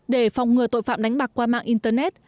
để phòng ngừa tội phạm đánh bạc qua mạng internet